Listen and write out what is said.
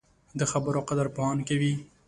د خبرو قدر پوهان کوي